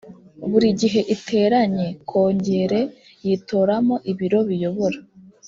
buri gihe iteranye kongere yitoramo ibiro biyobora